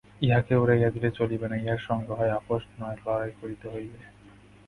ইহাকে উড়াইয়া দিলে চলিবে না, ইহার সঙ্গে হয় আপস নয় লড়াই করিতে হইবে।